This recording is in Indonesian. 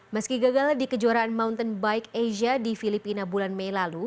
meski gagal di kejuaraan mountain bike asia di filipina bulan mei lalu